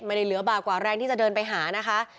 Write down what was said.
เหลือบากกว่าแรงที่จะเดินไปหานะคะ